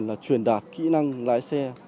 là truyền đạt kỹ năng lái xe